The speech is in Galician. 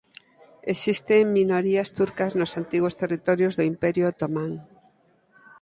Existen minorías turcas nos antigos territorios do Imperio Otomán.